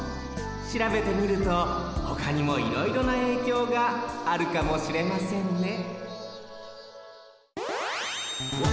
しらべてみるとほかにもいろいろなえいきょうがあるかもしれませんね